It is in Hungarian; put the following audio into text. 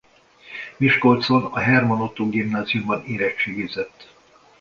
Miskolcon a Hermann Ottó Gimnáziumban érettségizett.